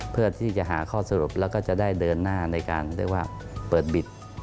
เพื่อที่จะหาข้อสรุปและจะได้เดินหน้าในการเปิดบิท